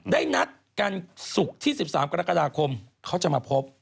ได้นัดกันศุกร์ที่๑๓กรกฎาคมเขาจะมาพบ